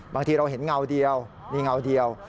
บางทีเราเห็นเงาเดียวนี่เงาเดียว